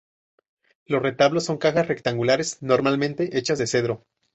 Los retablos son cajas rectangulares, normalmente hechas de cedro.